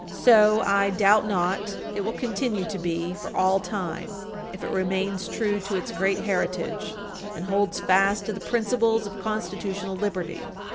So, I doubt not, it will continue to be for all time if it remains true to its great heritage and holds fast to the principles of constitutional liberty.